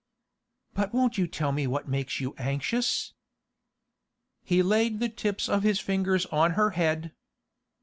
'But won't you tell me what makes you anxious?' He laid the tips of his fingers on her head.